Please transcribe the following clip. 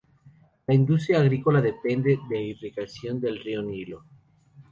La industria agrícola depende de irrigación del río Nilo.